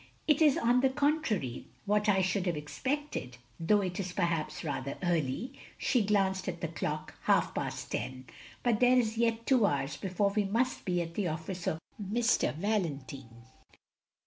It is on the contrary what I should have expected, though it is perhaps rather early —" she glanced at the clock, "half past ten. But there is yet two hours before we must be at the office of M. Valentine.